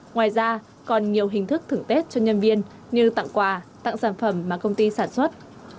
ngoài ra còn nhiều hình thức thưởng tết cho nhân viên như tặng quà tặng sản phẩm mà công ty sản xuất